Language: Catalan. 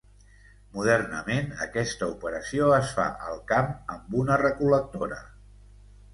Modernament aquesta operació es fa al camp amb una recol·lectora.